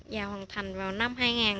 và hoàn thành vào năm hai nghìn một mươi